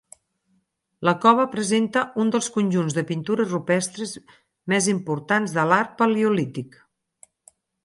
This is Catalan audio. La cova presenta un dels conjunts de pintures rupestres més importants de l'art paleolític.